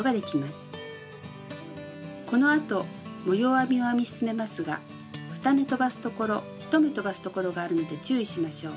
編みを編み進めますが２目とばすところ１目とばすところがあるので注意しましょう。